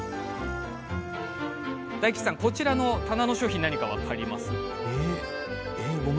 大吉さん、こちらの棚の商品何か分かりますよね？